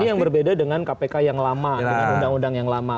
ini yang berbeda dengan kpk yang lama dengan undang undang yang lama